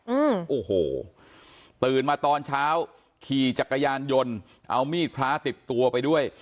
อืมโอ้โหตื่นมาตอนเช้าขี่จักรยานยนต์เอามีดพระติดตัวไปด้วย